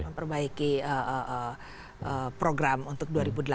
memperbaiki program untuk dua ribu delapan belas